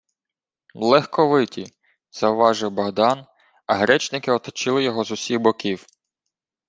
— Легковиті, — завважив Богдан, а гречники оточили його з усіх боків: